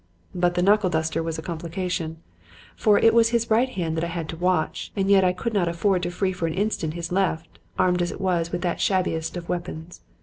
"But the knuckle duster was a complication; for it was his right hand that I had to watch; and yet I could not afford to free for an instant his left, armed as it was with that shabbiest of weapons.